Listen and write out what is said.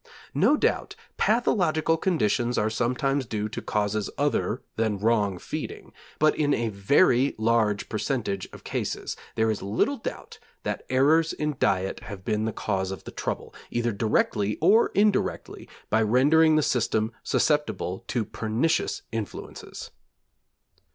No doubt, pathological conditions are sometimes due to causes other than wrong feeding, but in a very large percentage of cases there is little doubt that errors in diet have been the cause of the trouble, either directly, or indirectly by rendering the system susceptible to pernicious influences.